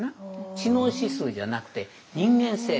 知能指数じゃなくて人間性。